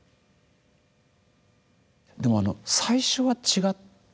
でもあの最初は違ったんですか？